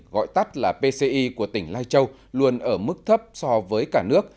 gọi tắt là pci của tỉnh lai châu luôn ở mức thấp so với cả nước